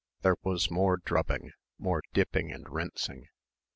There was more drubbing, more dipping and rinsing.